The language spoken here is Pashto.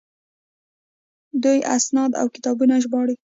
دوی اسناد او کتابونه ژباړي.